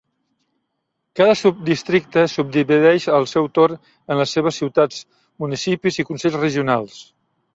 Cada subdistricte es subdivideix al seu torn en les seves ciutats, municipis i consells regionals.